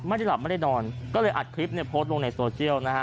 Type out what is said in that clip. ไม่ได้หลับไม่ได้นอนก็เลยอัดคลิปเนี่ยโพสต์ลงในโซเชียลนะฮะ